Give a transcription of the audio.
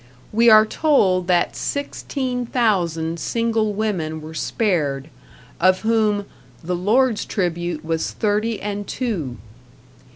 We are told that sixteen thousand single women were spared, of whom "the Lord's tribute was thirty and two!"